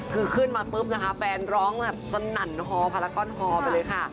คือขึ้นมาปุ๊บนะคะแฟนร้องแบบสนั่นฮอพารากอนฮอไปเลยค่ะ